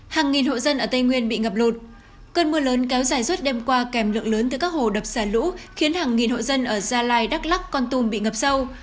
hàng nghìn hộ dân ở tây nguyên bị ngập lụt cơn mưa lớn kéo dài suốt đêm qua kèm lượng lớn từ các hồ đập xả lũ khiến hàng nghìn hộ dân ở gia lai đắk lắc con tum bị ngập sâu